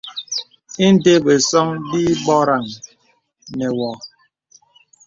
Ìndə̀ bəsōŋ bì bɔranə wɔ.